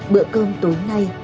bữa cơm tối nay